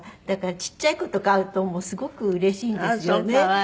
だからちっちゃい子とか会うともうすごくうれしいんですよね。